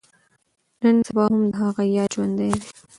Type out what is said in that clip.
نن سبا هم د هغه ياد ژوندی دی.